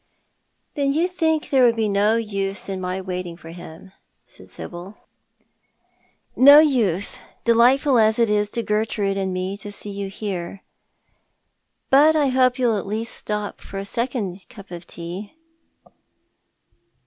" Then you think there would be no use in my waiting for iiim?" said Sibyl. "No use — delightful as it is to Gertrude and me to see you here. But I hope you'll at least stop for a second cup of tea."